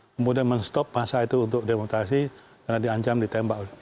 kemudian men stop masa itu untuk demonstrasi karena diancam ditembak